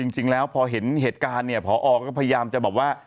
จริงแล้วพอเห็นเหตุการณ์เนี่ยพอก็พยายามจะบอกว่า